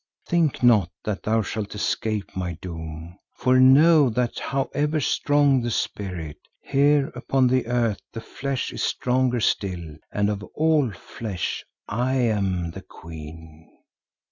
Think not that thou shalt escape my doom, for know that however strong the spirit, here upon the earth the flesh is stronger still and of all flesh I am the queen.